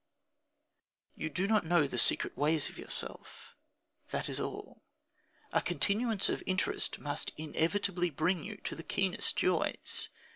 You do not know the secret ways of yourself: that is all. A continuance of interest must inevitably bring you to the keenest joys.